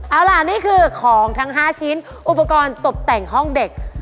เอาล่ะนี่คือของทั้ง๕ชิ้นอุปกรณ์ตกแต่งห้องเด็ก